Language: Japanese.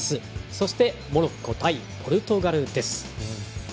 そしてモロッコ対ポルトガルです。